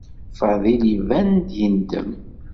Fadil iban-d yendem.